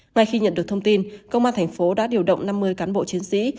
ngay khi nhận được thông tin công an tp đã điều động năm mươi cán bộ chiến sĩ